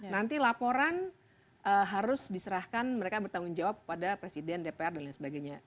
nanti laporan harus diserahkan mereka bertanggung jawab pada presiden dpr dan lain sebagainya